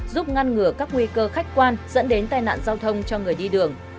giúp ngăn ngừa các nguy cơ khách quan dẫn đến tai nạn giao thông cho người đi đường